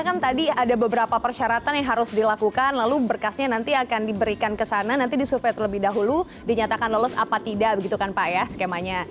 karena kan tadi ada beberapa persyaratan yang harus dilakukan lalu berkasnya nanti akan diberikan ke sana nanti disurvey terlebih dahulu dinyatakan lolos apa tidak begitu kan pak ya skemanya